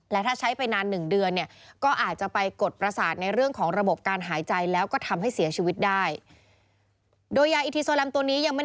และถ้าใช้ไปนาน๑เดือนเนี่ย